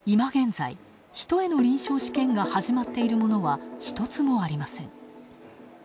しかし、いま現在、人への臨床試験が始まっているものは、一つもありません。